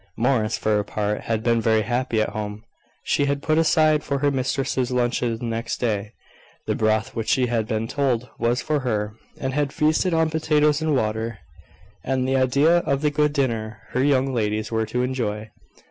Morris, for her part, had been very happy at home. She had put aside for her mistress's luncheon next day, the broth which she had been told was for her, and had feasted on potatoes and water, and the idea of the good dinner her young ladies were to enjoy.